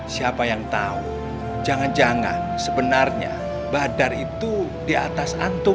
siapa yang tahu jangan jangan sebenarnya badar itu di atas antuk